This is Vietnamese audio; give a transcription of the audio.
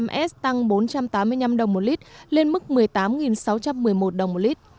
giá dầu diesel năm s tăng bốn trăm tám mươi năm đồng một lít lên mức một mươi tám sáu trăm một mươi một đồng một lít